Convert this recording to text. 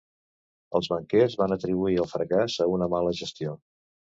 Els banquers van atribuir el fracàs a una mala gestió.